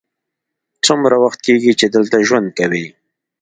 څومره وخت کیږی چې دلته ژوند کوې؟